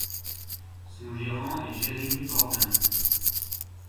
Son gérant est Jérémy Bordin.